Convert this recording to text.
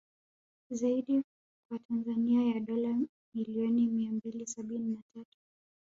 Ziada kwa Tanzania ya dola milioni mia mbili sabini na tatu